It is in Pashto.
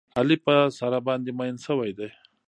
علي په ساره باندې مین شوی دی.